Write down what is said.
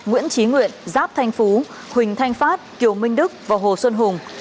nguyễn trí nguyện giáp thanh phú huỳnh thanh phát kiều minh đức và hồ xuân hùng